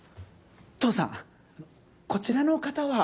父さんこちらの方は？